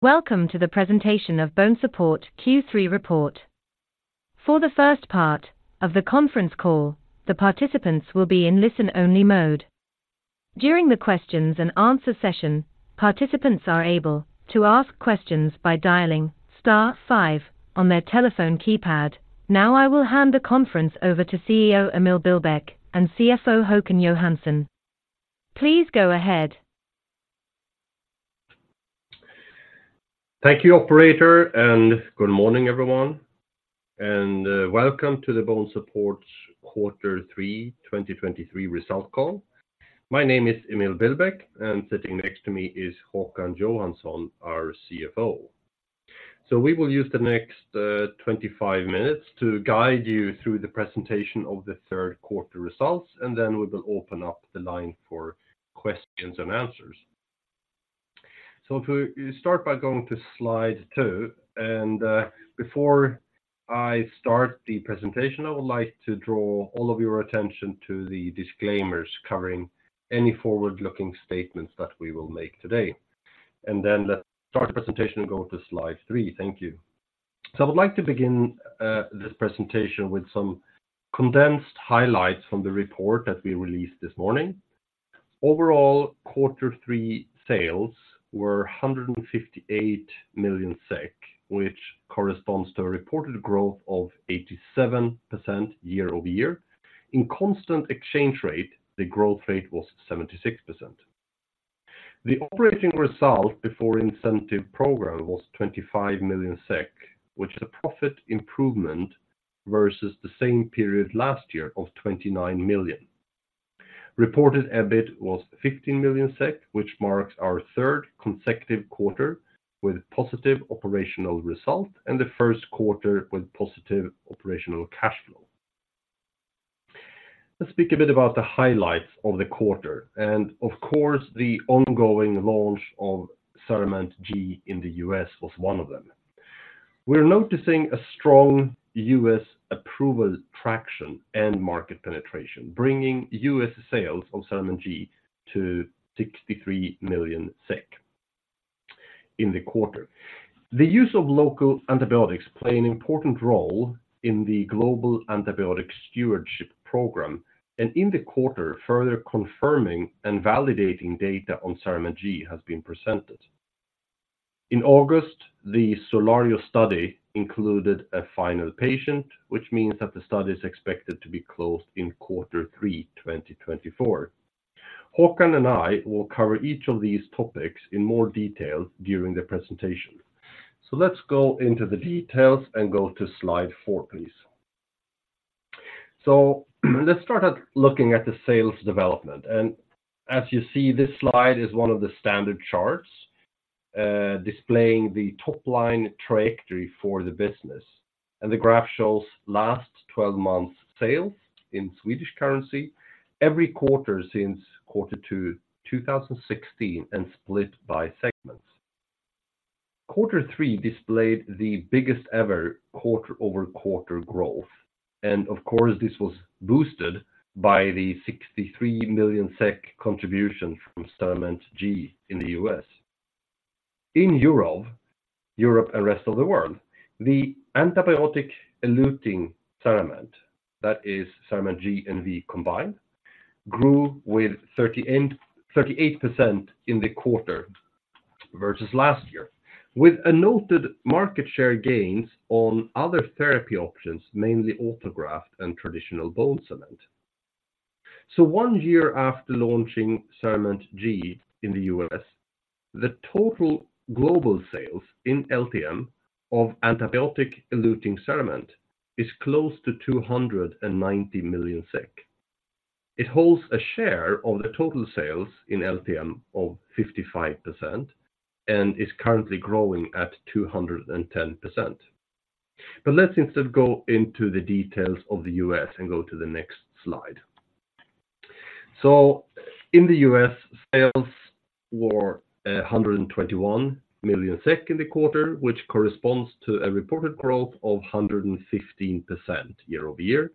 Welcome to the presentation of BONESUPPORT Q3 report. For the first part of the conference call, the participants will be in listen-only mode. During the questions and answer session, participants are able to ask questions by dialing star five on their telephone keypad. Now, I will hand the conference over to CEO Emil Billbäck and CFO Håkan Johansson. Please go ahead. Thank you, operator, and good morning, everyone, and welcome to the BONESUPPORT quarter three, 2023 results call. My name is Emil Billbäck, and sitting next to me is Håkan Johansson, our CFO. We will use the next 25 minutes to guide you through the presentation of the third quarter results, and then we will open up the line for questions and answers. If we start by going to slide two, and before I start the presentation, I would like to draw all of your attention to the disclaimers covering any forward-looking statements that we will make today. Then let's start the presentation and go to slide three. Thank you. I would like to begin this presentation with some condensed highlights from the report that we released this morning. Overall, quarter three sales were 158 million SEK, which corresponds to a reported growth of 87% year-over-year. In constant exchange rate, the growth rate was 76%. The operating result before incentive program was 25 million SEK, which is a profit improvement versus the same period last year of 29 million. Reported EBIT was 15 million SEK, which marks our third consecutive quarter with positive operational result and the first quarter with positive operational cash flow. Let's speak a bit about the highlights of the quarter, and of course, the ongoing launch of CERAMENT G in the U.S. was one of them. We're noticing a strong U.S. approval, traction, and market penetration, bringing U.S. sales of CERAMENT G to 63 million SEK in the quarter. The use of local antibiotics play an important role in the global antibiotic stewardship program, and in the quarter, further confirming and validating data on CERAMENT G has been presented. In August, the SOLARIO study included a final patient, which means that the study is expected to be closed in Q3 2024. Håkan and I will cover each of these topics in more detail during the presentation. So let's go into the details and go to slide four, please. So let's start at looking at the sales development. And as you see, this slide is one of the standard charts, displaying the top-line trajectory for the business. And the graph shows last twelve months sales in SEK every quarter since Q2 2016, and split by segments. Quarter three displayed the biggest ever quarter-over-quarter growth, and of course, this was boosted by the 63 million SEK contribution from CERAMENT G in the U.S. In Europe, Europe and rest of the world, the antibiotic eluting CERAMENT, that is CERAMENT G and V combined, grew with 38%, 38% in the quarter versus last year, with a noted market share gains on other therapy options, mainly autograft and traditional bone cement. So one year after launching CERAMENT G in the U.S, the total global sales in LTM of antibiotic eluting CERAMENT is close to 290 million. It holds a share of the total sales in LTM of 55% and is currently growing at 210%. But let's instead go into the details of the U.S and go to the next slide. So in the U.S., sales were 121 million SEK in the quarter, which corresponds to a reported growth of 115% year-over-year.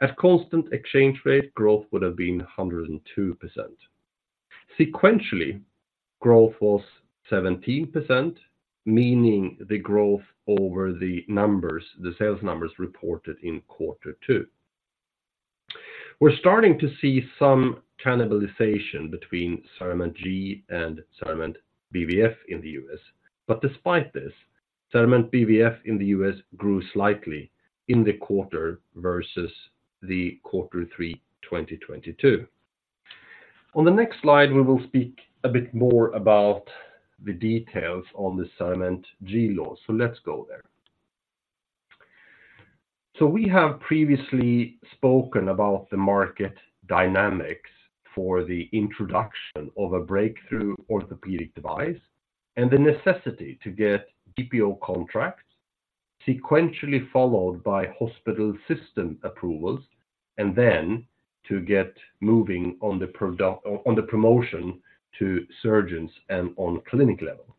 At constant exchange rate, growth would have been 102%. Sequentially, growth was 17%, meaning the growth over the numbers, the sales numbers reported in quarter two. We're starting to see some cannibalization between CERAMENT G and CERAMENT BVF in the U.S., but despite this, CERAMENT BVF in the U.S. grew slightly in the quarter versus quarter three, 2022. On the next slide, we will speak a bit more about the details on the CERAMENT G launch. So let's go there. So we have previously spoken about the market dynamics for the introduction of a breakthrough orthopedic device and the necessity to get GPO contracts, sequentially followed by hospital system approvals, and then to get moving on the product... on the promotion to surgeons and on clinic level.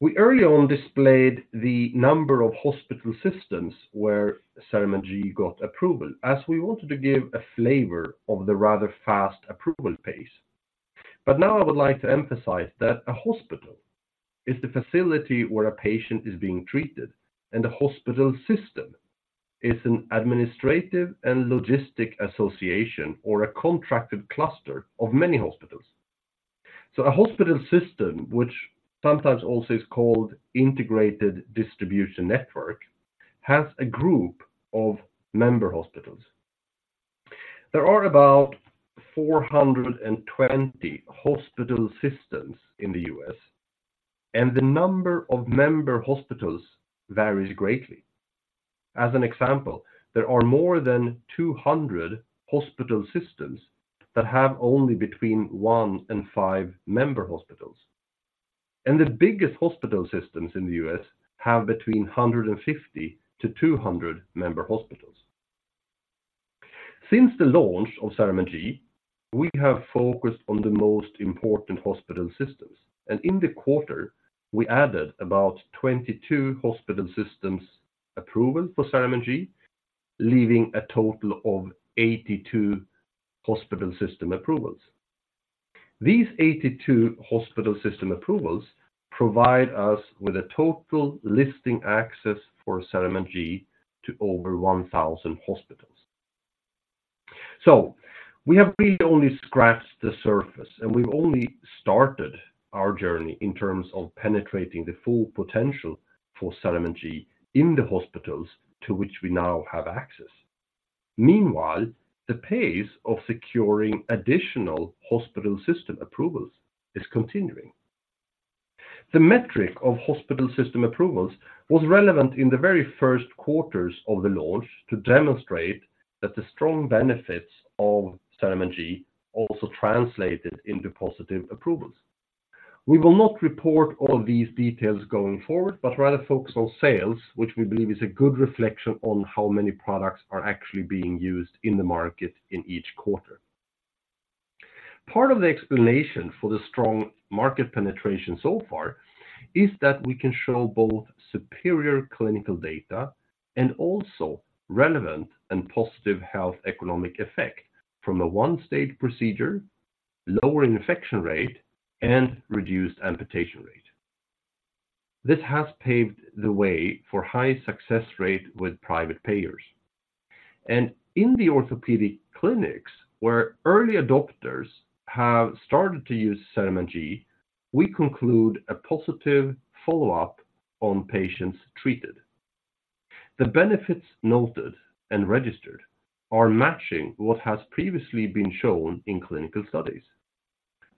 We early on displayed the number of hospital systems where CERAMENT G got approval, as we wanted to give a flavor of the rather fast approval pace. But now I would like to emphasize that a hospital is the facility where a patient is being treated, and a hospital system is an administrative and logistic association or a contracted cluster of many hospitals. So a hospital system, which sometimes also is called integrated delivery network, has a group of member hospitals. There are about 420 hospital systems in the U.S., and the number of member hospitals varies greatly. As an example, there are more than 200 hospital systems that have only between one and five member hospitals. The biggest hospital systems in the U.S. have between 150 and 200 member hospitals. Since the launch of CERAMENT G, we have focused on the most important hospital systems, and in the quarter, we added about 22 hospital systems approval for CERAMENT G, leaving a total of 82 hospital system approvals. These 82 hospital system approvals provide us with a total listing access for CERAMENT G to over 1,000 hospitals. So we have really only scratched the surface, and we've only started our journey in terms of penetrating the full potential for CERAMENT G in the hospitals to which we now have access. Meanwhile, the pace of securing additional hospital system approvals is continuing. The metric of hospital system approvals was relevant in the very first quarters of the launch to demonstrate that the strong benefits of CERAMENT G also translated into positive approvals. We will not report all these details going forward, but rather focus on sales, which we believe is a good reflection on how many products are actually being used in the market in each quarter. Part of the explanation for the strong market penetration so far is that we can show both superior clinical data and also relevant and positive health economic effect from a one-stage procedure, lower infection rate, and reduced amputation rate. This has paved the way for high success rate with private payers. In the orthopedic clinics, where early adopters have started to use CERAMENT G, we conclude a positive follow-up on patients treated. The benefits noted and registered are matching what has previously been shown in clinical studies.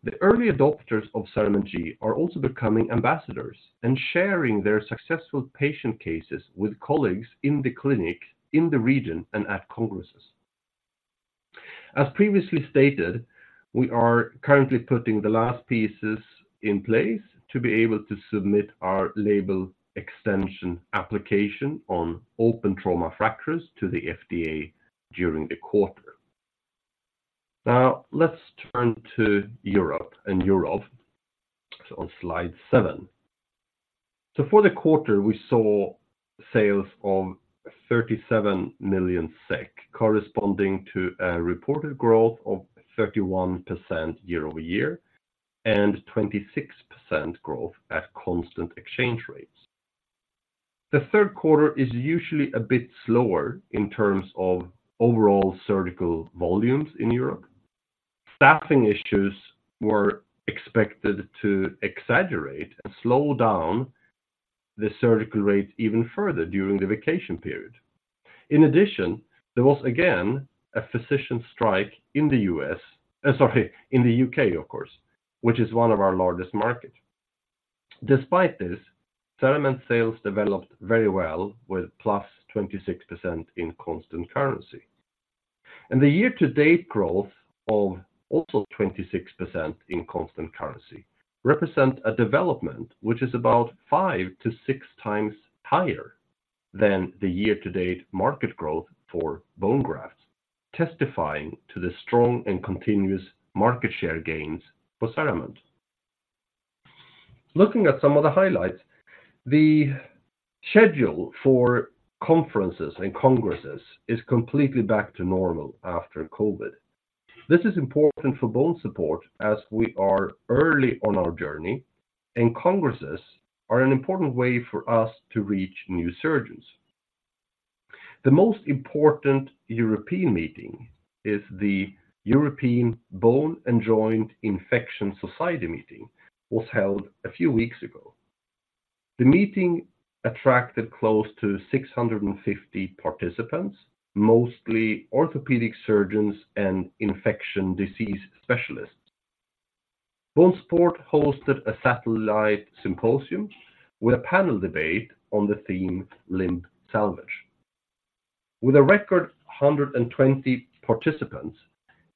The early adopters of CERAMENT G are also becoming ambassadors and sharing their successful patient cases with colleagues in the clinic, in the region, and at congresses. As previously stated, we are currently putting the last pieces in place to be able to submit our label extension application on open trauma fractures to the FDA during the quarter. Now, let's turn to Europe and Europe on slide seven. So for the quarter, we saw sales of 37 million SEK, corresponding to a reported growth of 31% year-over-year and 26% growth at constant exchange rates. The third quarter is usually a bit slower in terms of overall surgical volumes in Europe. Staffing issues were expected to exaggerate and slow down the surgical rate even further during the vacation period. In addition, there was again a physician strike in the U.S., sorry, in the U.K., of course, which is one of our largest markets. Despite this, CERAMENT sales developed very well with +26% in constant currency. The year-to-date growth of also 26% in constant currency represent a development which is about five-six times higher than the year-to-date market growth for bone grafts, testifying to the strong and continuous market share gains for CERAMENT. Looking at some of the highlights, the schedule for conferences and congresses is completely back to normal after COVID. This is important for BONESUPPORT as we are early on our journey, and congresses are an important way for us to reach new surgeons. The most important European meeting is the European Bone and Joint Infection Society meeting, was held a few weeks ago. The meeting attracted close to 650 participants, mostly orthopedic surgeons and infectious disease specialists. BONESUPPORT hosted a satellite symposium with a panel debate on the theme, "Limb Salvage." With a record 120 participants,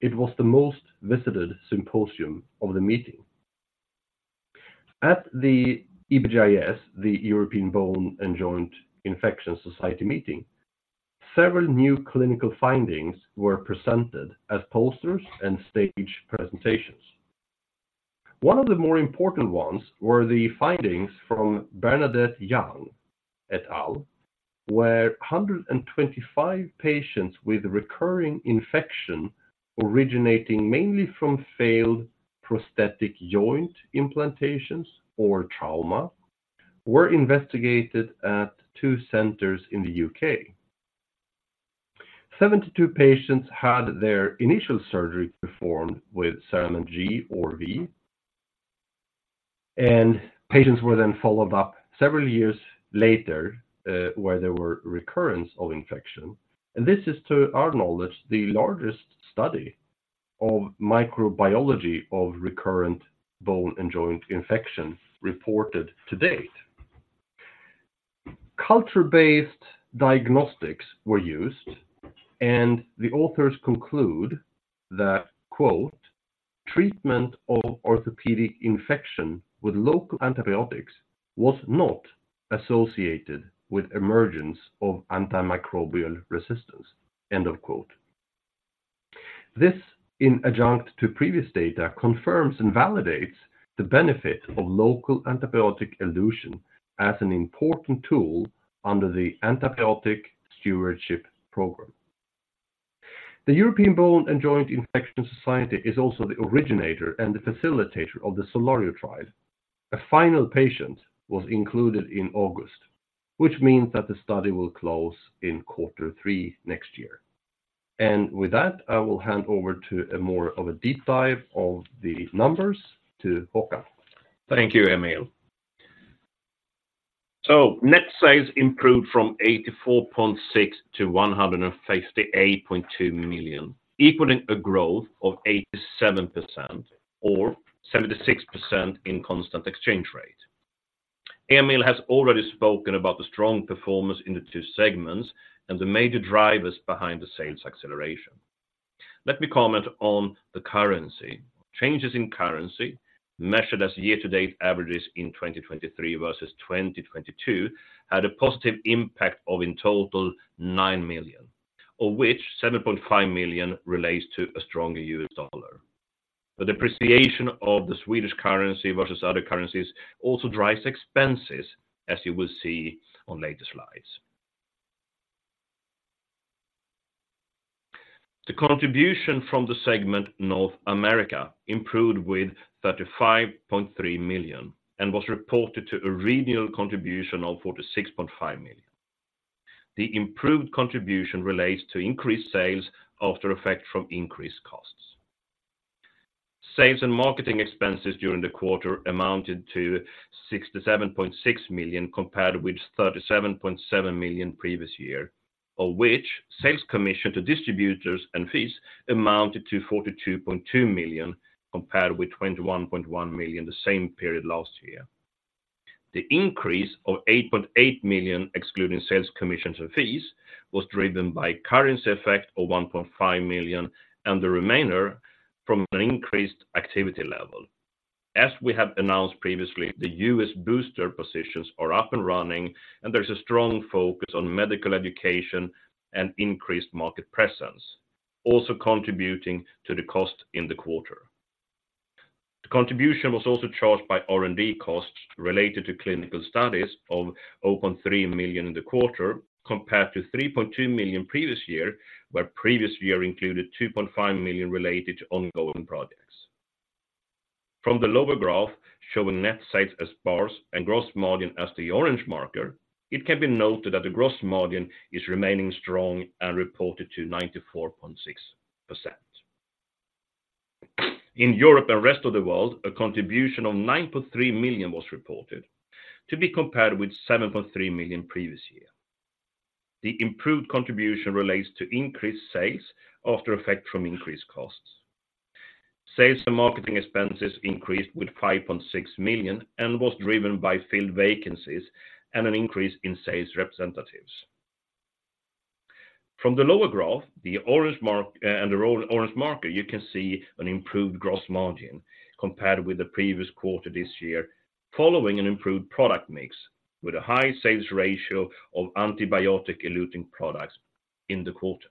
it was the most visited symposium of the meeting. At the EBJIS, the European Bone and Joint Infection Society meeting. Several new clinical findings were presented as posters and stage presentations. One of the more important ones were the findings from Bernadette Young, et al, where 125 patients with recurring infection originating mainly from failed prosthetic joint implantations or trauma, were investigated at two centers in the U.K. 72 patients had their initial surgery performed with CERAMENT G or V, and patients were then followed up several years later, where there were recurrence of infection. This is, to our knowledge, the largest study of microbiology of recurrent bone and joint infection reported to date. Culture-based diagnostics were used, and the authors conclude that, quote, "Treatment of orthopedic infection with local antibiotics was not associated with emergence of antimicrobial resistance." End of quote. This, in adjunct to previous data, confirms and validates the benefit of local antibiotic elution as an important tool under the antibiotic stewardship program. The European Bone and Joint Infection Society is also the originator and the facilitator of the SOLARIO trial. A final patient was included in August, which means that the study will close in quarter three next year. And with that, I will hand over to a more of a deep dive of the numbers to Håkan. Thank you, Emil. So net sales improved from 84.6 million to 158.2 million, equaling a growth of 87% or 76% in constant exchange rate. Emil has already spoken about the strong performance in the two segments and the major drivers behind the sales acceleration. Let me comment on the currency. Changes in currency, measured as year-to-date averages in 2023 versus 2022, had a positive impact of in total 9 million, of which 7.5 million relates to a stronger U.S. dollar. The depreciation of the Swedish currency versus other currencies also drives expenses, as you will see on later slides. The contribution from the segment North America improved with 35.3 million and was reported to a regional contribution of 46.5 million. The improved contribution relates to increased sales after effect from increased costs. Sales and marketing expenses during the quarter amounted to 67.6 million, compared with 37.7 million previous year, of which sales commission to distributors and fees amounted to 42.2 million, compared with 21.1 million the same period last year. The increase of 8.8 million, excluding sales commissions and fees, was driven by currency effect of 1.5 million and the remainder from an increased activity level. As we have announced previously, the U.S. booster positions are up and running, and there's a strong focus on medical education and increased market presence, also contributing to the cost in the quarter. The contribution was also charged by R&D costs related to clinical studies of 0.3 million in the quarter, compared to 3.2 million previous year, where previous year included 2.5 million related to ongoing projects. From the lower graph, showing net sites as bars and gross margin as the orange marker, it can be noted that the gross margin is remaining strong and reported to 94.6%. In Europe and rest of the world, a contribution of 9.3 million was reported, to be compared with 7.3 million previous year. The improved contribution relates to increased sales after effect from increased costs. Sales and marketing expenses increased with 5.6 million and was driven by filled vacancies and an increase in sales representatives. From the lower graph, the orange mark, and the orange marker, you can see an improved gross margin compared with the previous quarter this year, following an improved product mix with a high sales ratio of antibiotic eluting products in the quarter.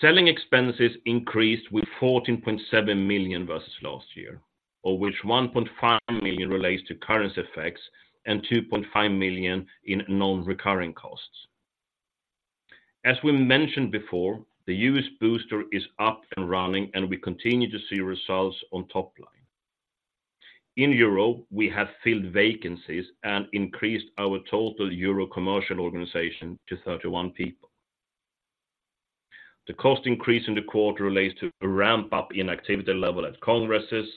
Selling expenses increased with 14.7 million versus last year, of which 1.5 million relates to currency effects and 2.5 million in non-recurring costs. As we mentioned before, the U.S. booster is up and running, and we continue to see results on top line. In Europe, we have filled vacancies and increased our total Euro commercial organization to 31 people. The cost increase in the quarter relates to a ramp-up in activity level at congresses,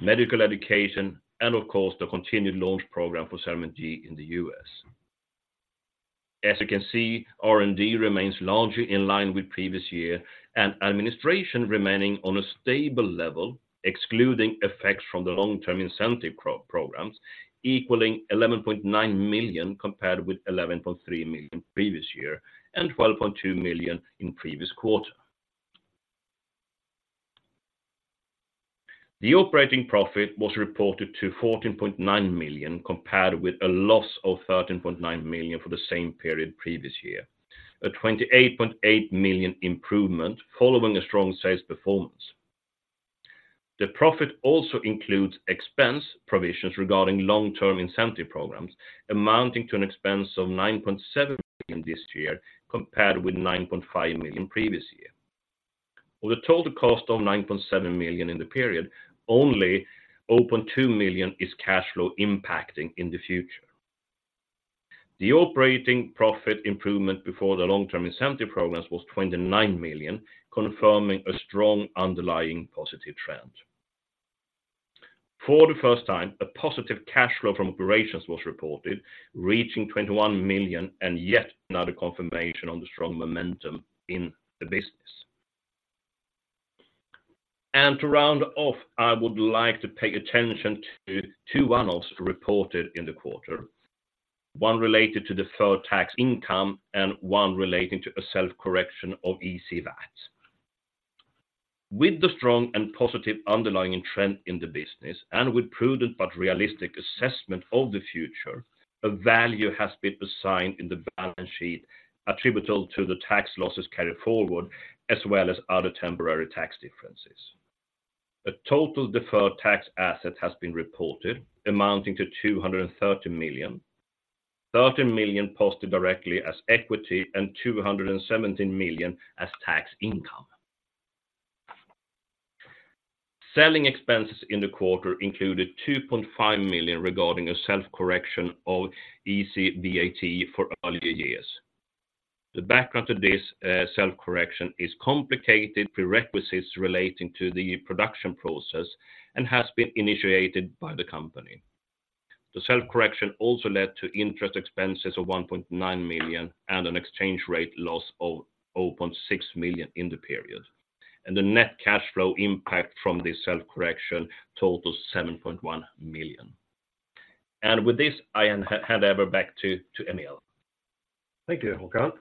medical education, and of course, the continued launch program for CERAMENT G in the U.S. As you can see, R&D remains largely in line with previous year, and administration remaining on a stable level, excluding effects from the long-term incentive programs, equaling 11.9 million, compared with 11.3 million previous year and 12.2 million in previous quarter. The operating profit was reported to 14.9 million, compared with a loss of 13.9 million for the same period previous year. A 28.8 million improvement following a strong sales performance. The profit also includes expense provisions regarding long-term incentive programs, amounting to an expense of 9.7 million this year, compared with 9.5 million previous year. Of the total cost of 9.7 million in the period, only 2 million is cash flow impacting in the future. The operating profit improvement before the long-term incentive programs was 29 million, confirming a strong underlying positive trend. For the first time, a positive cash flow from operations was reported, reaching 21 million, and yet another confirmation on the strong momentum in the business. To round off, I would like to pay attention to two one-offs reported in the quarter. One related to the third tax income and one relating to a self-correction of EC VAT. With the strong and positive underlying trend in the business, and with prudent but realistic assessment of the future, a value has been assigned in the balance sheet attributable to the tax losses carried forward, as well as other temporary tax differences. A total deferred tax asset has been reported, amounting to 230 million, 30 million posted directly as equity and 217 million as tax income. Selling expenses in the quarter included 2.5 million regarding a self-correction of EC VAT for earlier years. The background to this self-correction is complicated prerequisites relating to the production process and has been initiated by the company. The self-correction also led to interest expenses of 1.9 million and an exchange rate loss of 0.6 million in the period, and the net cash flow impact from the self-correction total 7.1 million. With this, I hand over back to Emil. Thank you, Håkan.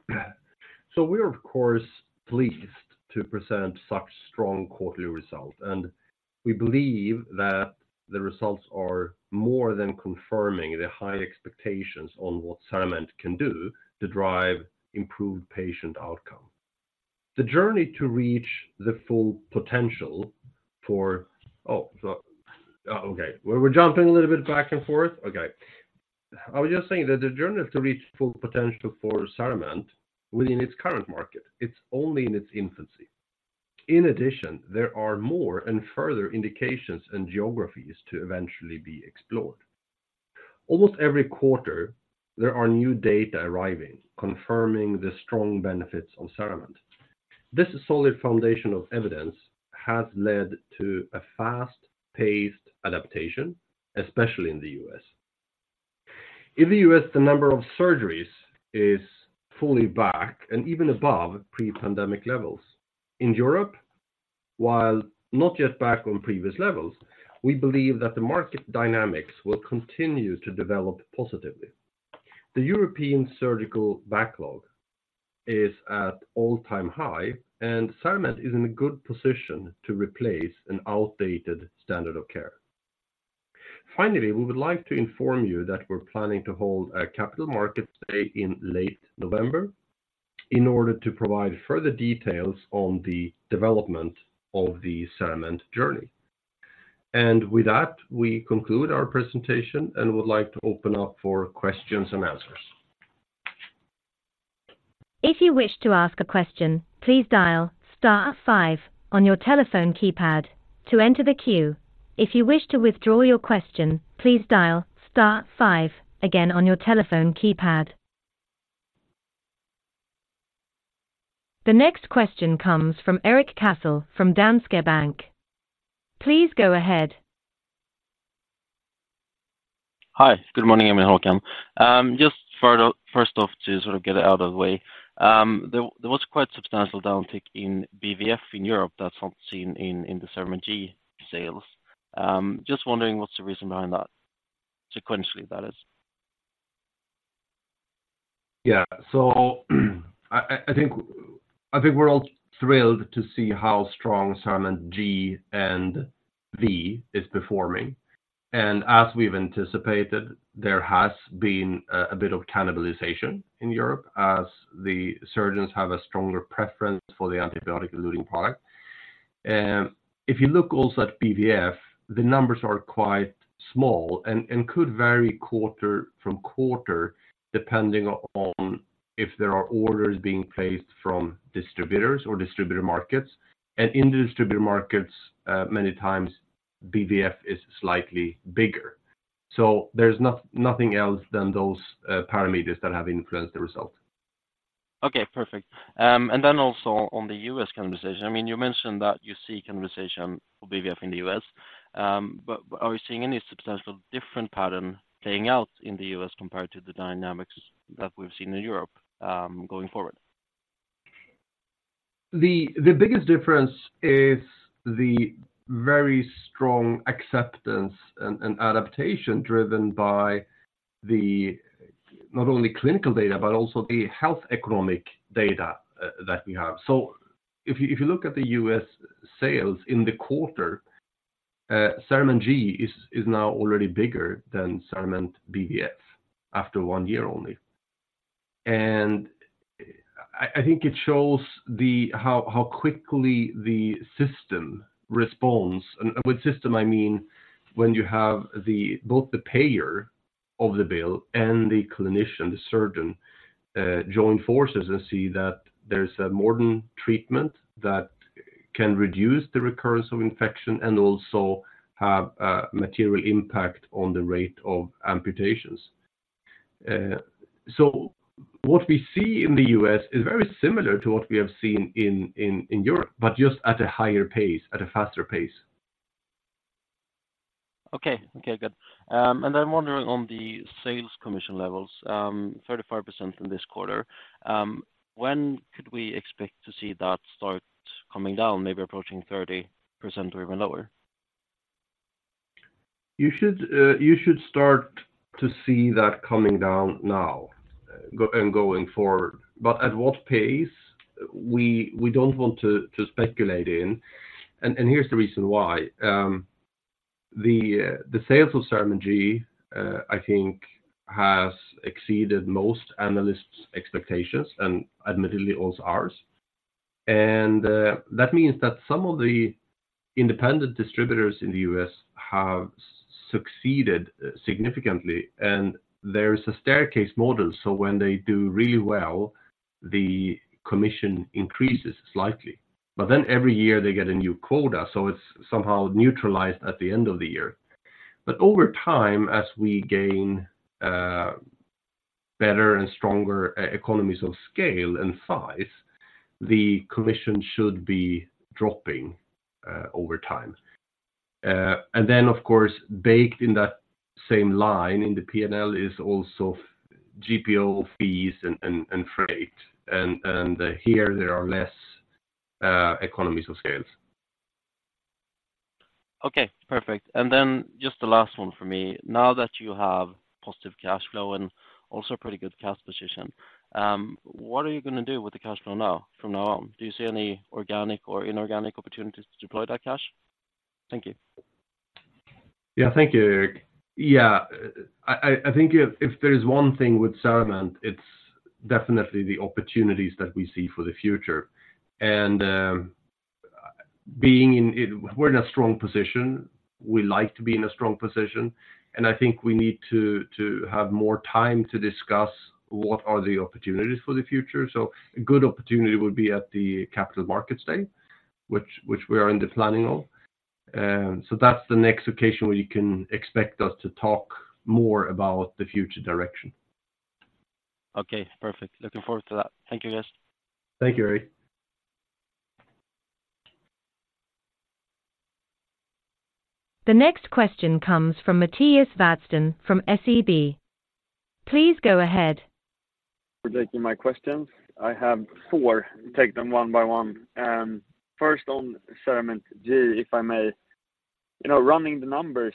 So we are, of course, pleased to present such strong quarterly results, and we believe that the results are more than confirming the high expectations on what CERAMENT can do to drive improved patient outcome. The journey to reach the full potential for—oh, so, oh, okay, we're jumping a little bit back and forth. Okay. I was just saying that the journey to reach full potential for CERAMENT within its current market, it's only in its infancy. In addition, there are more and further indications and geographies to eventually be explored. Almost every quarter, there are new data arriving, confirming the strong benefits of CERAMENT. This solid foundation of evidence has led to a fast-paced adaptation, especially in the U.S. In the U.S., the number of surgeries is fully back and even above pre-pandemic levels. In Europe, while not yet back on previous levels, we believe that the market dynamics will continue to develop positively. The European surgical backlog is at all-time high, and CERAMENT is in a good position to replace an outdated standard of care. Finally, we would like to inform you that we're planning to hold a capital markets day in late November in order to provide further details on the development of the CERAMENT journey. And with that, we conclude our presentation and would like to open up for questions and answers. If you wish to ask a question, please dial star five on your telephone keypad to enter the queue. If you wish to withdraw your question, please dial star five again on your telephone keypad. The next question comes from Erik Cassel from Danske Bank. Please go ahead. Hi, good morning, Emil and Håkan. Just for the first off, to sort of get it out of the way, there was quite substantial downtick in BVF in Europe that's not seen in the CERAMENT G sales. Just wondering what's the reason behind that, sequentially, that is? Yeah. So I think we're all thrilled to see how strong CERAMENT G and V is performing. And as we've anticipated, there has been a bit of cannibalization in Europe as the surgeons have a stronger preference for the antibiotic-eluting product. If you look also at BVF, the numbers are quite small and could vary quarter from quarter, depending on if there are orders being placed from distributors or distributor markets. And in the distributor markets, many times BVF is slightly bigger. So there's nothing else than those parameters that have influenced the result. Okay, perfect. And then also on the U.S. cannibalization, I mean, you mentioned that you see cannibalization for BVF in the U.S., but are we seeing any substantial different pattern playing out in the U.S. compared to the dynamics that we've seen in Europe, going forward? The biggest difference is the very strong acceptance and adaptation driven by the not only clinical data, but also the health economic data that we have. So if you look at the U.S. sales in the quarter, CERAMENT G is now already bigger than CERAMENT BVF after one year only. And I think it shows how quickly the system responds. And with system, I mean, when you have both the payer of the bill and the clinician, the surgeon join forces and see that there's a modern treatment that can reduce the recurrence of infection and also have a material impact on the rate of amputations. So what we see in the U.S. is very similar to what we have seen in Europe, but just at a higher pace, at a faster pace. Okay, okay, good. And I'm wondering on the sales commission levels, 35% in this quarter, when could we expect to see that start coming down, maybe approaching 30% or even lower? You should, you should start to see that coming down now, and going forward. But at what pace? We don't want to speculate in, and here's the reason why. The sales of CERAMENT G, I think, has exceeded most analysts' expectations, and admittedly, also ours. And that means that some of the independent distributors in the U.S. have succeeded significantly, and there is a staircase model, so when they do really well, the commission increases slightly. But then every year they get a new quota, so it's somehow neutralized at the end of the year. But over time, as we gain better and stronger economies of scale and size, the commission should be dropping over time. And then, of course, baked in that same line in the P&L is also GPO fees and freight. And here there are less economies of scale. Okay, perfect. And then just the last one for me. Now that you have positive cash flow and also pretty good cash position, what are you going to do with the cash flow now, from now on? Do you see any organic or inorganic opportunities to deploy that cash? Thank you. Yeah, thank you, Eric. Yeah, I think if there is one thing with CERAMENT, it's definitely the opportunities that we see for the future. And being in-- we're in a strong position. We like to be in a strong position, and I think we need to have more time to discuss what are the opportunities for the future. So a good opportunity would be at the Capital Markets Day, which we are in the planning of. So that's the next occasion where you can expect us to talk more about the future direction. Okay, perfect. Looking forward to that. Thank you, guys. Thank you, Erik. The next question comes from Mattias Vadsten from SEB. Please go ahead. For taking my questions. I have four. Take them one by one. First on CERAMENT G, if I may. You know, running the numbers,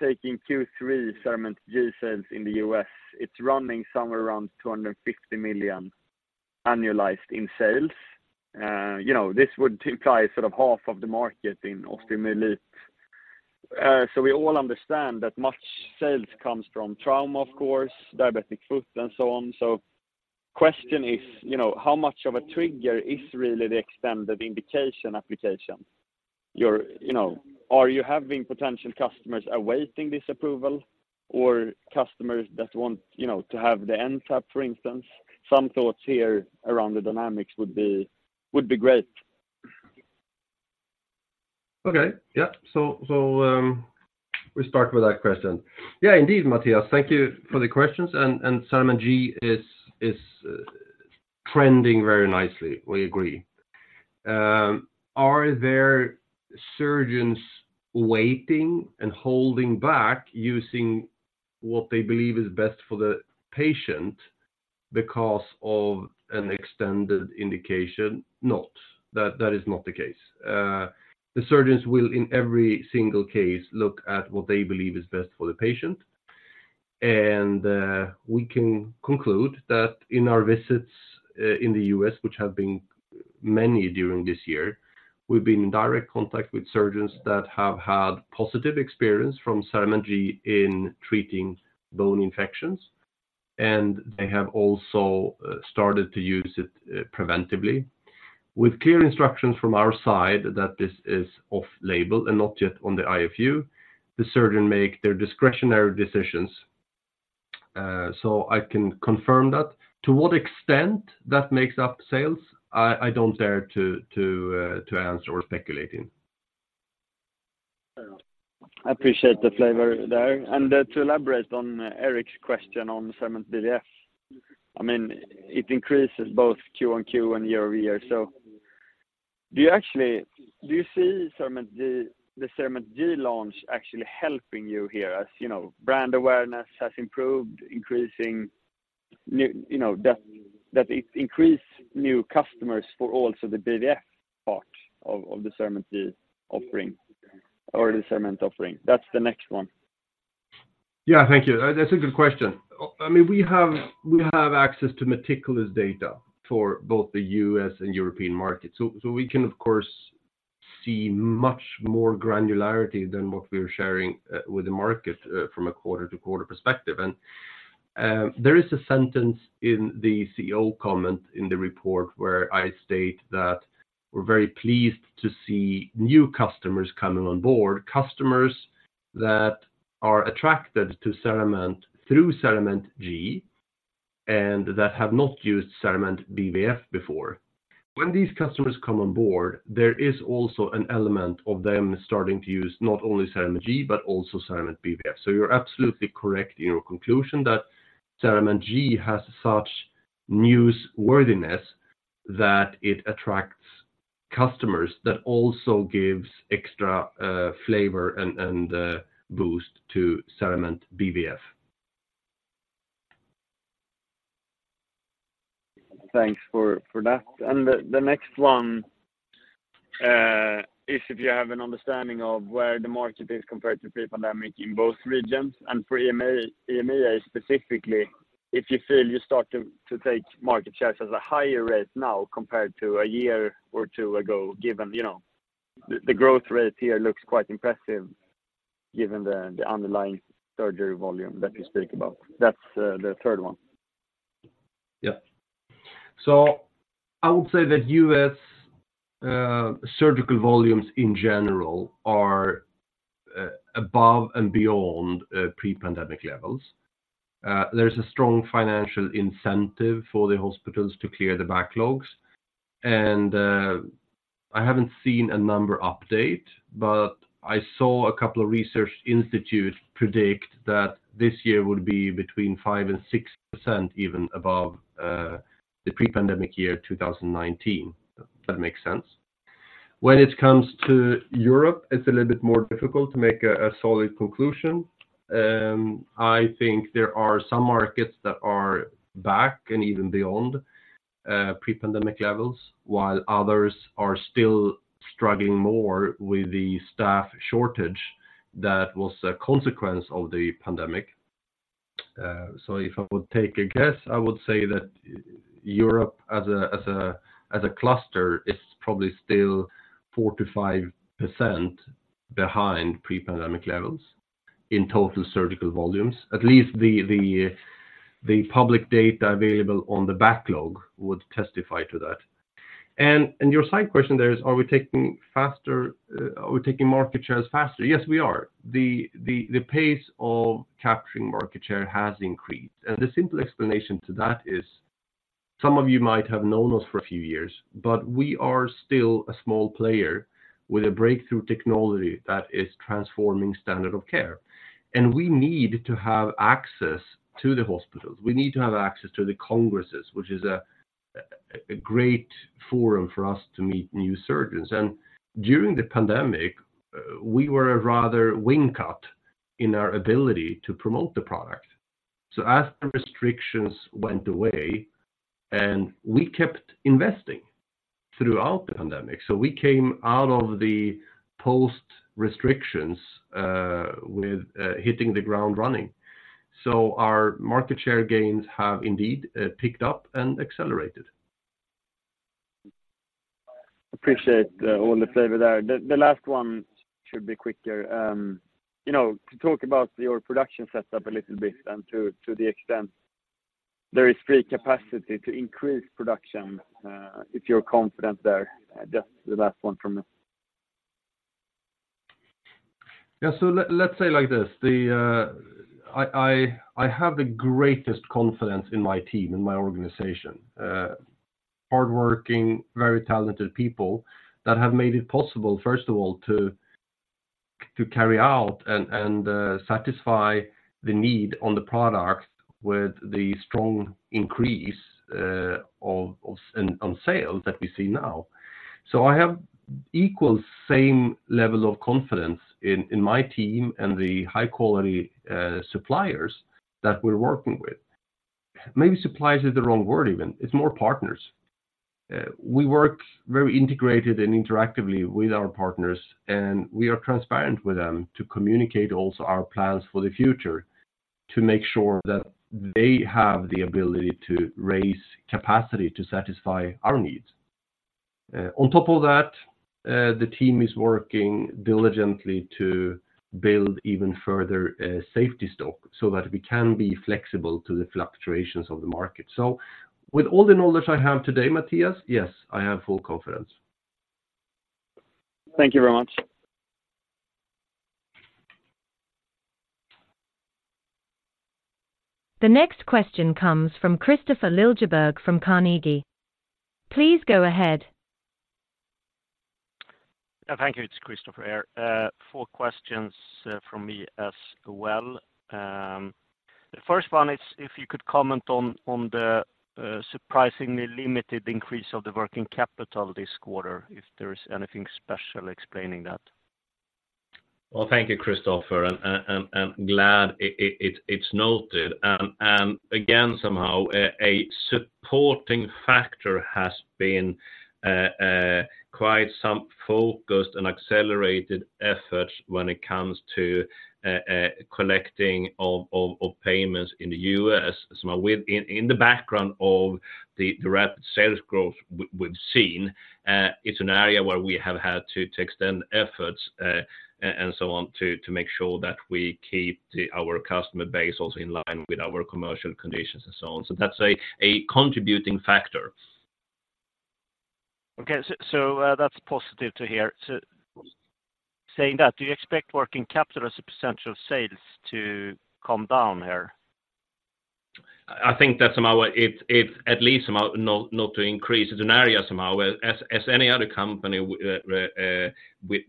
taking Q3 CERAMENT G sales in the U.S., it's running somewhere around $250 million annualized in sales. You know, this would imply sort of half of the market in osteomyelitis. So we all understand that much sales comes from trauma, of course, diabetic foot, and so on. So question is, you know, how much of a trigger is really the extended indication application? You know, are you having potential customers awaiting this approval or customers that want, you know, to have the NTAP, for instance? Some thoughts here around the dynamics would be, would be great. Okay. Yeah. So, so we start with that question. Yeah, indeed, Mattias, thank you for the questions. And Cerament G is trending very nicely. We agree. Are there surgeons waiting and holding back using what they believe is best for the patient because of an extended indication? Not. That is not the case. The surgeons will, in every single case, look at what they believe is best for the patient. And we can conclude that in our visits in the U.S., which have been many during this year, we've been in direct contact with surgeons that have had positive experience from CERAMENT G in treating bone infections, and they have also started to use it preventively. With clear instructions from our side that this is off label and not yet on the IFU, the surgeon make their discretionary decisions. So I can confirm that. To what extent that makes up sales, I don't dare to answer or speculate in. I appreciate the flavor there. To elaborate on Erik's question on CERAMENT BVF, I mean, it increases both Q on Q and year-over-year. So do you actually do you see CERAMENT G, the CERAMENT G launch actually helping you here? As you know, brand awareness has improved, you know, that it increase new customers for also the BVF part of the CERAMENT offering or the CERAMENT offering. That's the next one. Yeah, thank you. That's a good question. I mean, we have access to meticulous data for both the U.S. and European market. So we can, of course, see much more granularity than what we are sharing with the market from a quarter-to-quarter perspective. And there is a sentence in the CEO comment in the report where I state that we're very pleased to see new customers coming on board, customers that are attracted to CERAMENT through CERAMENT G, and that have not used CERAMENT BVF before. When these customers come on board, there is also an element of them starting to use not only CERAMENT G, but also CERAMENT BVF. So you're absolutely correct in your conclusion that CERAMENT G has such newsworthiness that it attracts customers that also gives extra flavor and boost to CERAMENT BVF. Thanks for that. And the next one is if you have an understanding of where the market is compared to pre-pandemic in both regions and for EMEA specifically, if you feel you start to take market shares at a higher rate now compared to a year or two ago, given, you know, the growth rate here looks quite impressive given the underlying surgery volume that you speak about. That's the third one. Yeah. So I would say that U.S. surgical volumes in general are above and beyond pre-pandemic levels. There's a strong financial incentive for the hospitals to clear the backlogs. And I haven't seen a number update, but I saw a couple of research institutes predict that this year would be between 5%-6% even above the pre-pandemic year, 2019. That makes sense. When it comes to Europe, it's a little bit more difficult to make a solid conclusion. I think there are some markets that are back and even beyond pre-pandemic levels, while others are still struggling more with the staff shortage that was a consequence of the pandemic. So if I would take a guess, I would say that Europe as a cluster is probably still 4%-5% behind pre-pandemic levels in total surgical volumes. At least the public data available on the backlog would testify to that. And your side question there is, are we taking market shares faster? Yes, we are. The pace of capturing market share has increased, and the simple explanation to that is some of you might have known us for a few years, but we are still a small player with a breakthrough technology that is transforming standard of care. And we need to have access to the hospitals. We need to have access to the congresses, which is a great forum for us to meet new surgeons. During the pandemic, we were rather wing cut in our ability to promote the product. So as the restrictions went away, and we kept investing throughout the pandemic, so we came out of the post restrictions with hitting the ground running. So our market share gains have indeed picked up and accelerated. Appreciate, all the flavor there. The last one should be quicker. You know, to talk about your production setup a little bit and to the extent there is free capacity to increase production, if you're confident there. That's the last one from me. Yeah, so let's say like this, I have the greatest confidence in my team, in my organization. Hardworking, very talented people that have made it possible, first of all, to carry out and satisfy the need on the product with the strong increase of on sales that we see now. So I have equal, same level of confidence in my team and the high quality suppliers that we're working with. Maybe suppliers is the wrong word, even. It's more partners. We work very integrated and interactively with our partners, and we are transparent with them to communicate also our plans for the future, to make sure that they have the ability to raise capacity to satisfy our needs. On top of that, the team is working diligently to build even further safety stock so that we can be flexible to the fluctuations of the market. So with all the knowledge I have today, Mattias, yes, I have full confidence. Thank you very much. The next question comes from Kristofer Liljeberg, from Carnegie. Please go ahead. Thank you. It's Christopher here. Four questions from me as well. The first one is if you could comment on the surprisingly limited increase of the working capital this quarter, if there is anything special explaining that? Well, thank you, Christopher, and I'm glad it's noted. And again, somehow, a supporting factor has been quite some focused and accelerated efforts when it comes to collecting of payments in the U.S. So, within the background of the rapid sales growth we've seen, it's an area where we have had to extend efforts and so on, to make sure that we keep our customer base also in line with our commercial conditions and so on. So that's a contributing factor. Okay, so that's positive to hear. So saying that, do you expect working capital as a potential sales to come down here? I think that somehow it at least somehow not to increase. It's an area somehow, as any other company with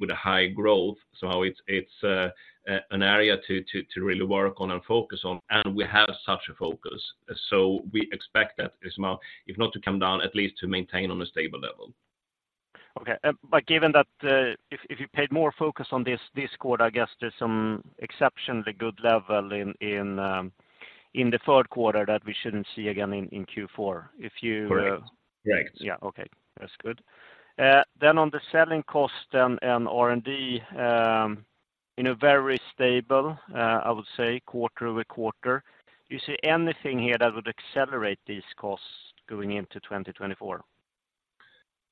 a high growth. So it's an area to really work on and focus on, and we have such a focus. So we expect that somehow, if not to come down, at least to maintain on a stable level. Okay. But given that, if you paid more focus on this quarter, I guess there's some exceptionally good level in the third quarter that we shouldn't see again in Q4, if you- Correct. Right. Yeah, okay. That's good. Then on the selling cost and, and R&D, in a very stable, I would say, quarter-over-quarter, you see anything here that would accelerate these costs going into 2024?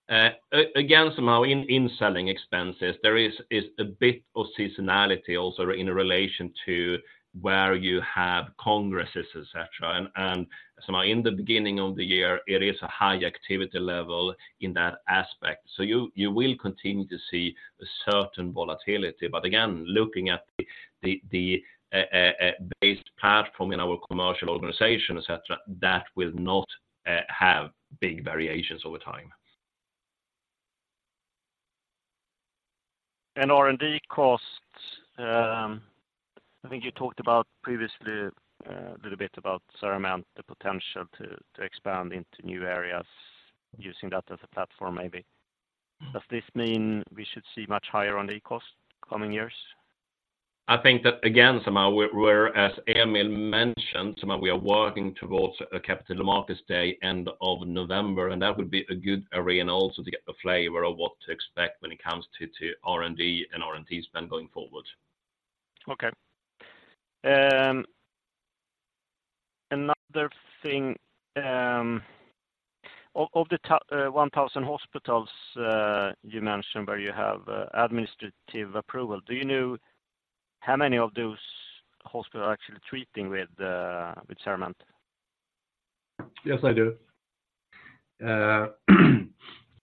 Again, somehow in selling expenses, there is a bit of seasonality also in relation to where you have congresses, et cetera. And so in the beginning of the year, it is a high activity level in that aspect. So you will continue to see a certain volatility. But again, looking at the based platform in our commercial organization, et cetera, that will not have big variations over time. R&D costs, I think you talked about previously, a little bit about CERAMENT, the potential to expand into new areas using that as a platform, maybe. Mm. Does this mean we should see much higher R&D costs coming years? I think that, again, somehow we're, as Emil mentioned, so we are working towards a Capital Markets Day end of November, and that would be a good arena also to get a flavor of what to expect when it comes to R&D and R&D spend going forward. Okay. Another thing, of the top 1,000 hospitals you mentioned where you have administrative approval, do you know how many of those hospitals are actually treating with CERAMENT? Yes, I do.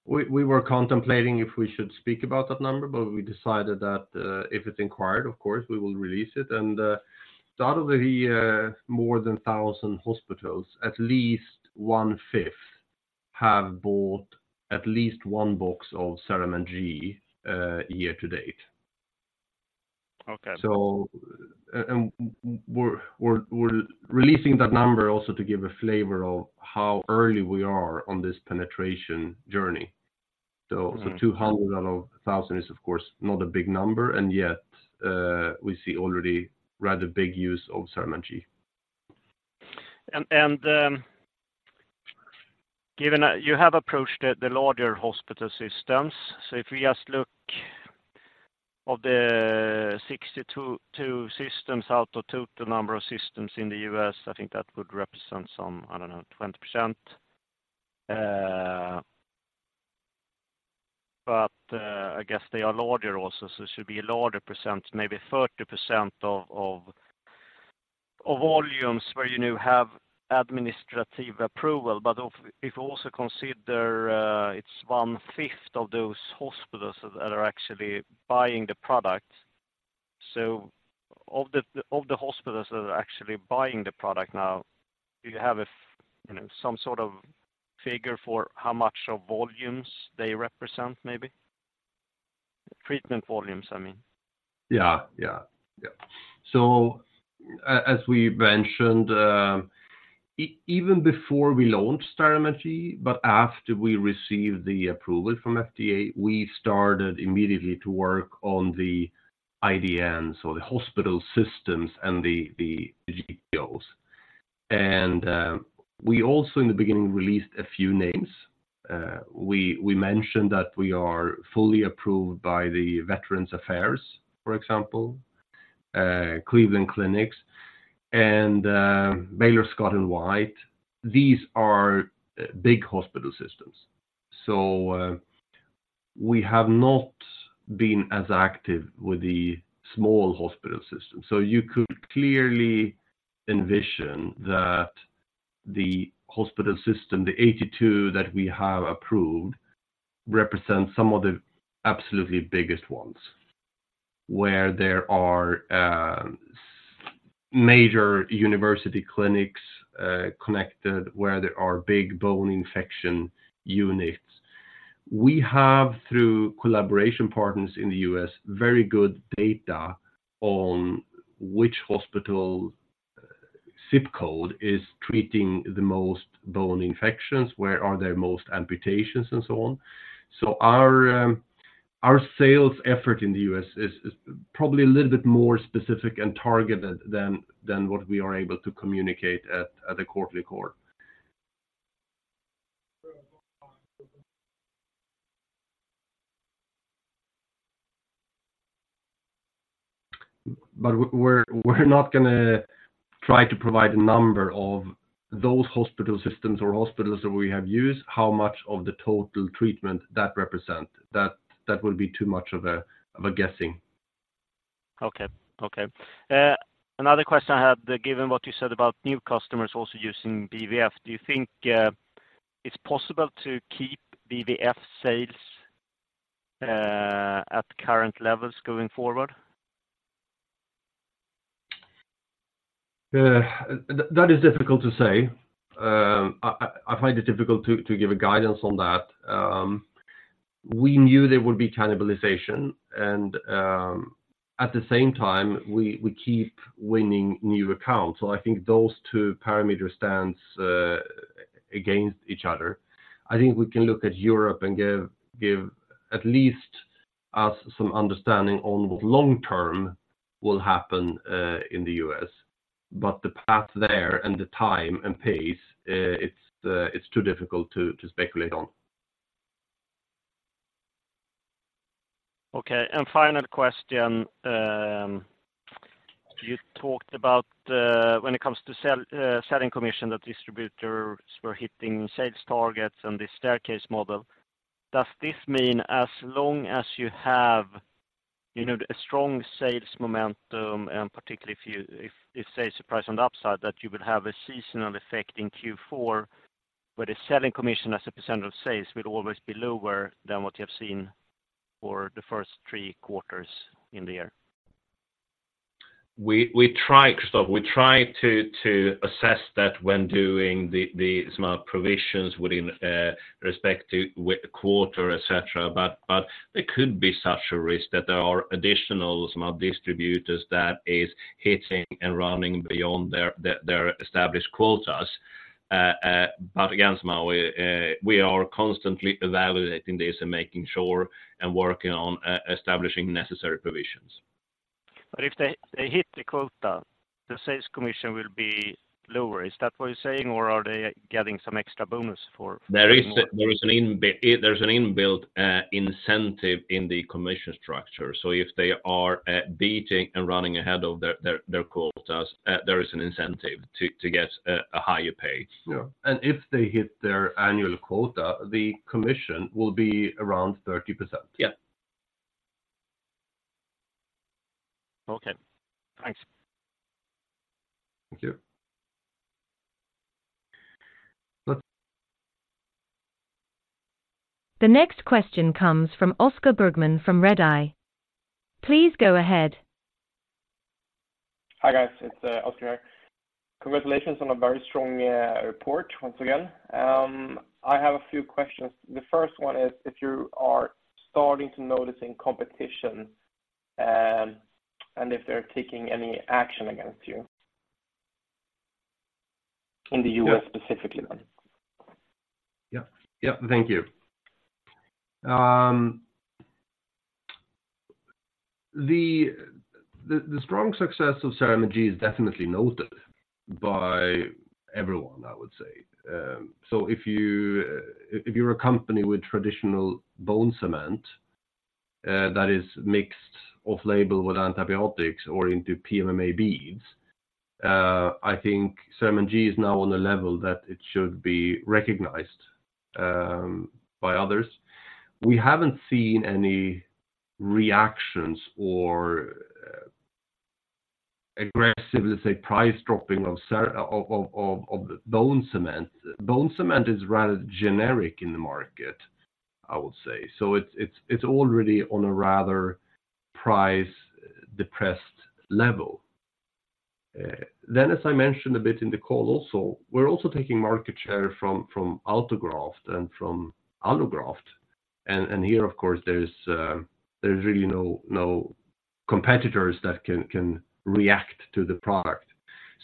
We were contemplating if we should speak about that number, but we decided that, if it's inquired, of course, we will release it. And, out of the more than 1,000 hospitals, at least one-fifth have bought at least one box of CERAMENT G, year to date. Okay. So, we're releasing that number also to give a flavor of how early we are on this penetration journey. Mm. So 200 out of 1,000 is, of course, not a big number, and yet, we see already rather big use of CERAMENT G. Given that you have approached the larger hospital systems, so if we just look at the 62, two systems out of total number of systems in the U.S., I think that would represent some, I don't know, 20%. But I guess they are larger also, so it should be a larger percent, maybe 30% of volumes where you now have administrative approval. But if you also consider, it's 1/5 of those hospitals that are actually buying the product. So of the hospitals that are actually buying the product now, do you have a you know, some sort of figure for how much of volumes they represent, maybe? Treatment volumes, I mean. Yeah, yeah. Yeah. So as we mentioned, even before we launched CERAMENT G, but after we received the approval from FDA, we started immediately to work on the IDNs, so the hospital systems and the GPOs. And we also in the beginning released a few names. We mentioned that we are fully approved by the Veterans Affairs, for example, Cleveland Clinic, and Baylor Scott & White. These are big hospital systems. So we have not been as active with the small hospital system. So you could clearly envision that the hospital system, the 82 that we have approved, represent some of the absolutely biggest ones, where there are major university clinics connected, where there are big bone infection units. We have, through collaboration partners in the U.S., very good data on which hospital-... ZIP code is treating the most bone infections, where are there most amputations, and so on. So our sales effort in the U.S. is probably a little bit more specific and targeted than what we are able to communicate at the quarterly call. But we're not gonna try to provide a number of those hospital systems or hospitals that we have used, how much of the total treatment that represent. That would be too much of a guessing. Okay. Okay. Another question I had, given what you said about new customers also using BVF, do you think it's possible to keep BVF sales at current levels going forward? That is difficult to say. I find it difficult to give a guidance on that. We knew there would be cannibalization, and at the same time, we keep winning new accounts. So I think those two parameters stands against each other. I think we can look at Europe and give at least us some understanding on what long term will happen in the U.S.. But the path there and the time and pace, it's too difficult to speculate on. Okay, and final question. You talked about, when it comes to selling commission, that distributors were hitting sales targets and the staircase model. Does this mean as long as you have, you know, a strong sales momentum, and particularly if sales surprise on the upside, that you would have a seasonal effect in Q4, where the selling commission as a percentage of sales will always be lower than what you have seen for the first three quarters in the year? We try, Christopher, we try to assess that when doing the smart provisions within respect to with quarter, et cetera. But there could be such a risk that there are additional smart distributors that is hitting and running beyond their established quotas. But again, smart, we are constantly evaluating this and making sure and working on establishing necessary provisions. But if they hit the quota, the sales commission will be lower. Is that what you're saying, or are they getting some extra bonus for— There is an inbuilt incentive in the commission structure. So if they are beating and running ahead of their quotas, there is an incentive to get a higher pay. Yeah. If they hit their annual quota, the commission will be around 30%. Yeah. Okay, thanks. Thank you. The next question comes from Oskar Bergman from Redeye. Please go ahead. Hi, guys. It's, Oskar here. Congratulations on a very strong report, once again. I have a few questions. The first one is, if you are starting to noticing competition, and if they're taking any action against you? In the U.S. specifically, then. Yeah. Yeah. Thank you. The strong success of CERAMENT G is definitely noted by everyone, I would say. So if you, if you're a company with traditional bone cement that is mixed off-label with antibiotics or into PMMA beads, I think CERAMENT G is now on a level that it should be recognized by others. We haven't seen any reactions or aggressive, let's say, price dropping of bone cement. Bone cement is rather generic in the market, I would say. So it's already on a rather price-depressed level. Then, as I mentioned a bit in the call also, we're also taking market share from autograft and from allograft. And here, of course, there's really no competitors that can react to the product.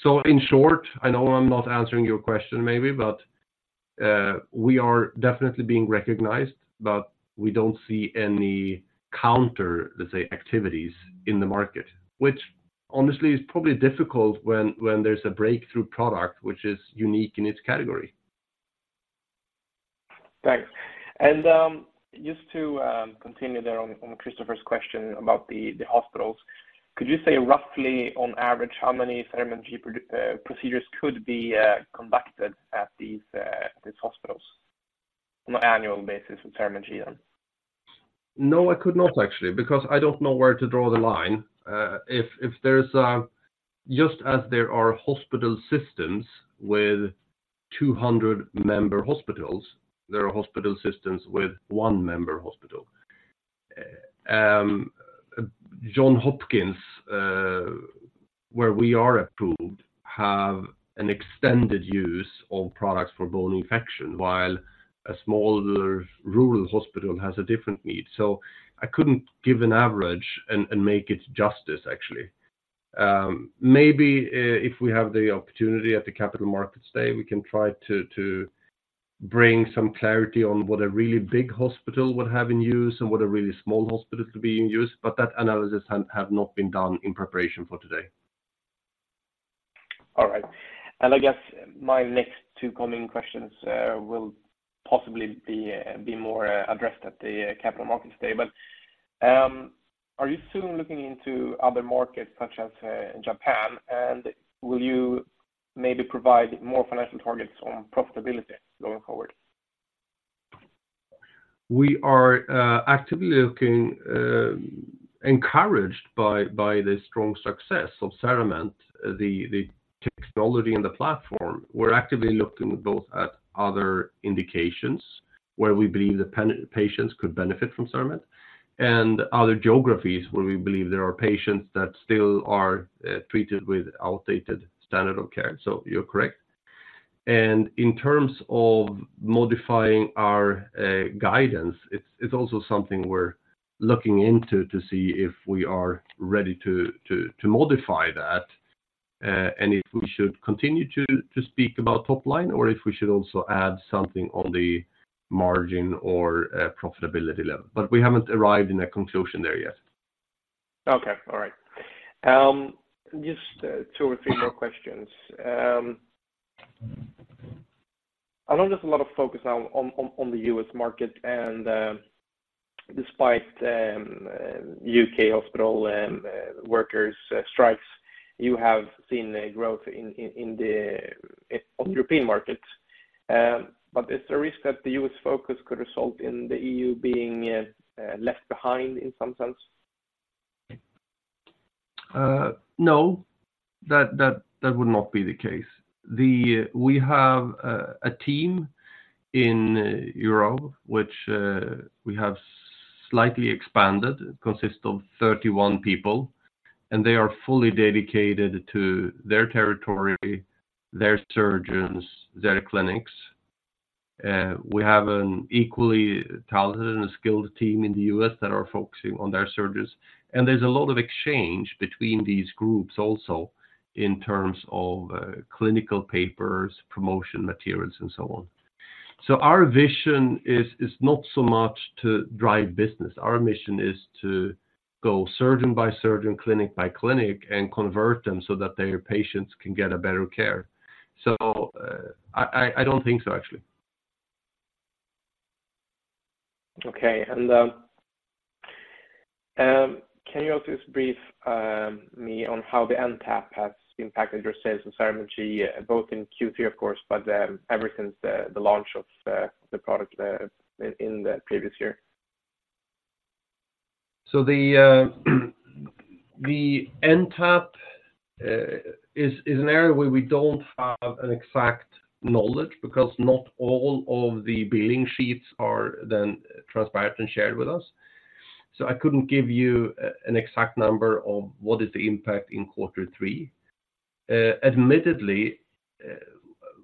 So in short, I know I'm not answering your question, maybe, but, we are definitely being recognized, but we don't see any counter, let's say, activities in the market, which honestly is probably difficult when there's a breakthrough product which is unique in its category. Thanks. Just to continue there on Christopher's question about the hospitals, could you say roughly on average, how many CERAMENT G procedures could be conducted at these hospitals on an annual basis of CERAMENT G then? No, I could not, actually, because I don't know where to draw the line. If there's just as there are hospital systems with 200 member hospitals, there are hospital systems with one member hospital. Johns Hopkins, where we are approved, have an extended use of products for bone infection, while a smaller rural hospital has a different need. So I couldn't give an average and make it justice, actually. Maybe, if we have the opportunity at the Capital Markets Day, we can try to bring some clarity on what a really big hospital would have in use and what a really small hospital could be in use, but that analysis has not been done in preparation for today. All right. And I guess my next two coming questions will possibly be more addressed at the capital markets day. But, are you still looking into other markets such as Japan? And will you maybe provide more financial targets on profitability going forward? We are actively looking, encouraged by the strong success of CERAMENT, the technology and the platform. We're actively looking both at other indications where we believe the patients could benefit from CERAMENT, and other geographies where we believe there are patients that still are treated with outdated standard of care. So you're correct. And in terms of modifying our guidance, it's also something we're looking into to see if we are ready to modify that, and if we should continue to speak about top line, or if we should also add something on the margin or profitability level. But we haven't arrived in a conclusion there yet. Okay, all right. Just two or three more questions. I know there's a lot of focus now on the U.S. market, and despite U.K. hospital and workers strikes, you have seen a growth in the European markets. But is there a risk that the U.S. focus could result in the EU being left behind in some sense? No, that would not be the case. We have a team in Europe, which we have slightly expanded, consists of 31 people, and they are fully dedicated to their territory, their surgeons, their clinics. We have an equally talented and skilled team in the U.S. that are focusing on their surgeons. And there's a lot of exchange between these groups also in terms of clinical papers, promotion materials, and so on. So our vision is not so much to drive business. Our mission is to go surgeon by surgeon, clinic by clinic, and convert them so that their patients can get a better care. So, I don't think so, actually. Okay. Can you also just brief me on how the NTAP has impacted your sales in CERAMENT G, both in Q3, of course, but then ever since the launch of the product in the previous year? So the NTAP is an area where we don't have an exact knowledge because not all of the billing sheets are then transparent and shared with us. So I couldn't give you an exact number of what is the impact in quarter three. Admittedly,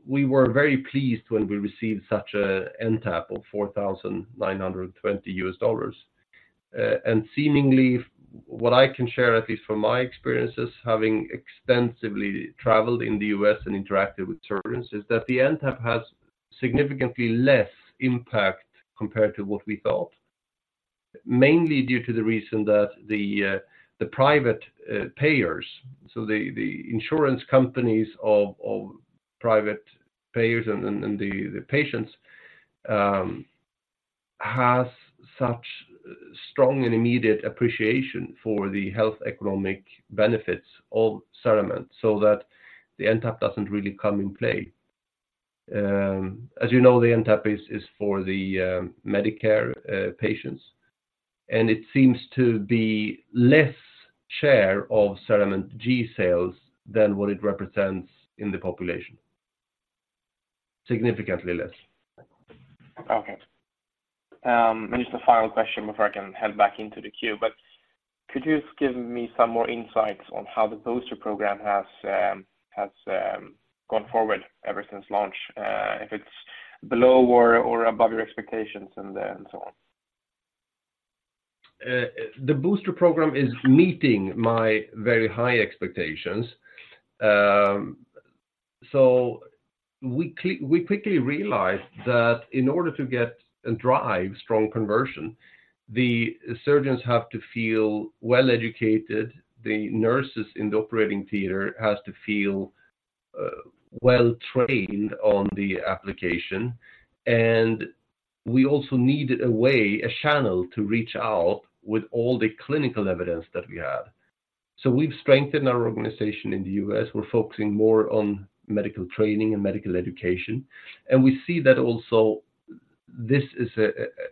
we were very pleased when we received such a NTAP of $4,920. And seemingly, what I can share, at least from my experiences, having extensively traveled in the U.S. and interacted with surgeons, is that the NTAP has significantly less impact compared to what we thought. Mainly due to the reason that the private payers, so the insurance companies of private payers and the patients has such strong and immediate appreciation for the health economic benefits of CERAMENT so that the NTAP doesn't really come in play. As you know, the NTAP is for the Medicare patients, and it seems to be less share of CERAMENT G sales than what it represents in the population. Significantly less. Okay. And just a final question before I can head back into the queue, but could you just give me some more insights on how the booster program has gone forward ever since launch? If it's below or above your expectations and then so on. The booster program is meeting my very high expectations. So we quickly realized that in order to get and drive strong conversion, the surgeons have to feel well educated, the nurses in the operating theater has to feel well trained on the application, and we also need a way, a channel to reach out with all the clinical evidence that we have. So we've strengthened our organization in the U.S. We're focusing more on medical training and medical education, and we see that also this is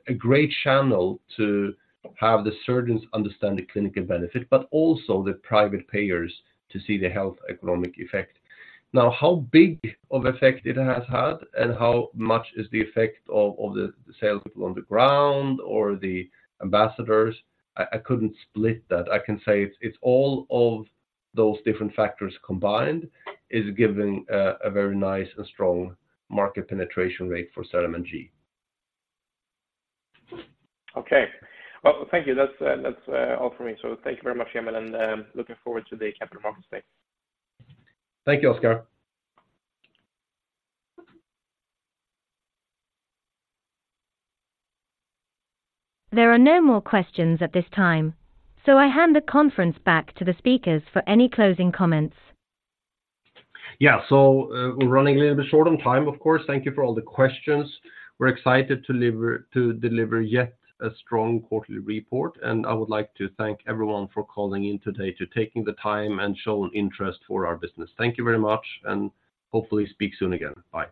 a great channel to have the surgeons understand the clinical benefit, but also the private payers to see the health economic effect. Now, how big of effect it has had and how much is the effect of the sales people on the ground or the ambassadors? I couldn't split that. I can say it's all of those different factors combined is giving a very nice and strong market penetration rate for CERAMENT G. Okay. Well, thank you. That's all for me. So thank you very much, Emil, and looking forward to the capital markets day. Thank you, Oskar. There are no more questions at this time, so I hand the conference back to the speakers for any closing comments. Yeah, so, we're running a little bit short on time, of course. Thank you for all the questions. We're excited to deliver yet a strong quarterly report, and I would like to thank everyone for calling in today, to taking the time and shown interest for our business. Thank you very much, and hopefully speak soon again. Bye.